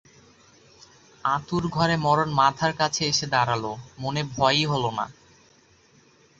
আঁতুড়ঘরে মরণ মাথার কাছে এসে দাঁড়াল, মনে ভয়ই হল না।